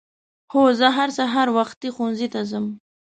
هو زه هر سهار وختي ښؤونځي ته ځم.